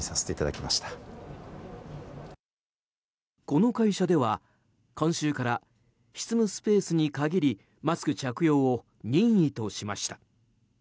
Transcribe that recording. この会社では今週から執務スペースに限りマスク着用を任意としました。